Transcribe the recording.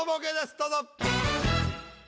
どうぞ。